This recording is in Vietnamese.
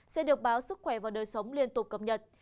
sẽ được báo sức khỏe và đời sống liên tục cập nhật